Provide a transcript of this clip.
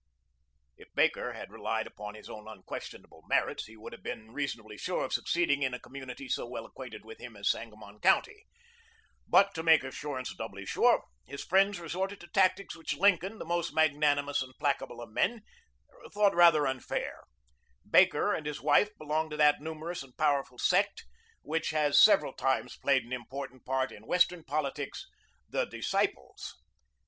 If Baker had relied upon his own unquestionable merits he would have been reasonably sure of succeeding in a community so well acquainted with him as Sangamon County. But to make assurance doubly sure his friends resorted to tactics which Lincoln, the most magnanimous and placable of men, thought rather unfair. Baker and his wife belonged to that numerous and powerful sect which has several times played an important part in Western politics the Disciples.